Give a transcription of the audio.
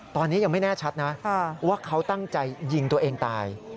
ตอนนี้ยังไม่แน่ชัดนะว่าเขาตั้งใจยิงตัวเองตาย